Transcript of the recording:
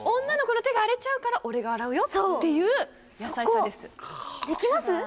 女の子の手が荒れちゃうから俺が洗うよっていう優しさです